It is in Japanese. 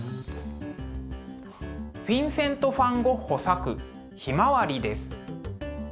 フィンセント・ファン・ゴッホ作「ひまわり」です。